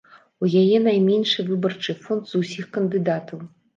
У яе найменшы выбарчы фонд з усіх кандыдатаў.